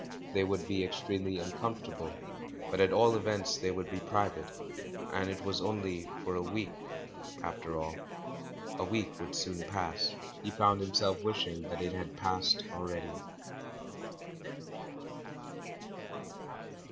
They would be extremely uncomfortable, but at all events they would be private, and it was only for a week, after all. A week would soon pass. He found himself wishing that it had passed already.